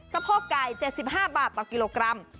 โพกไก่๗๕บาทต่อกิโลกรัม